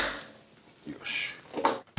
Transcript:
よし。